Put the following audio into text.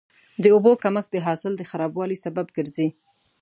د اوبو کمښت د حاصل د خرابوالي سبب کېږي.